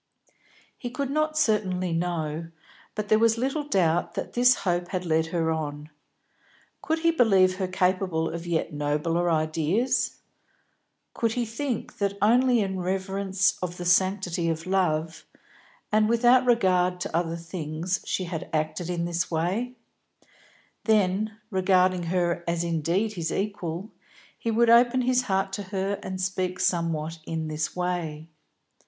He could not certainly know, but there was little doubt that this hope had led her on. Could he believe her capable of yet nobler ideas; could he think that only in reverence of the sanctity of love, and without regard to other things, she had acted in this way; then, regarding her as indeed his equal, he would open his heart to her and speak somewhat in this way.